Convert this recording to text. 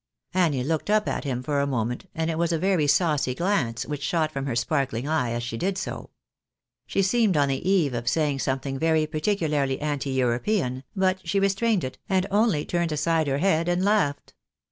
" Annie looked up at him for a moment, and it was a very saucy glance which shot from her sparkling eye as she did so. She seemed on the eve of saying something very particularly anti European, but she restrained it, and only turned aside her head and laughed.